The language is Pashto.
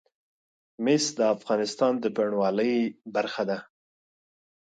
مس د افغانستان د بڼوالۍ برخه ده.